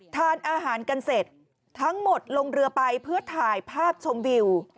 ทานอาหารกันเสร็จทั้งหมดลงเรือไปเพื่อถ่ายภาพชมวิว